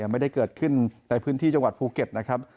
ไม่ได้เกิดขึ้นในพื้นที่จังหวัดภูเก็ตนะครับ